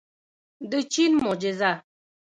د چین معجزه.